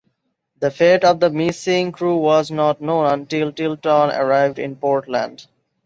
The fate of the missing crew was not known until "Tilton" arrived in Portland.